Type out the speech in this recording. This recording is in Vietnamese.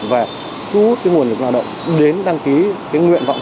và thu hút cái nguồn lực lao động đến đăng ký cái nguyện vọng